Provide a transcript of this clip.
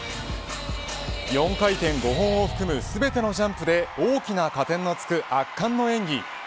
４回転５本を含む全てのジャンプで大きな加点のつく、圧巻の演技。